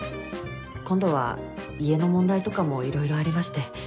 今度は家の問題とかも色々ありまして。